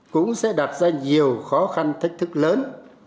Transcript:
cũng sẽ đặt ra nhiều khó khăn thách thức lớn